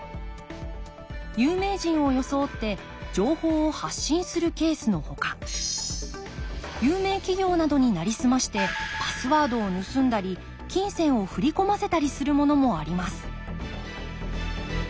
有名人を装って情報を発信するケースのほか有名企業などになりすましてパスワードを盗んだり金銭を振り込ませたりするものもあります